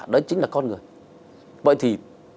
đó chính là con người vậy thì